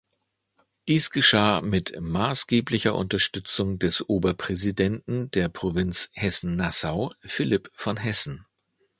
Dies geschah mit maßgeblicher Unterstützung des Oberpräsidenten der Provinz Hessen-Nassau, Philipp von Hessen.